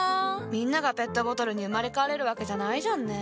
みんながペットボトルに生まれ変われるわけじゃないじゃんね。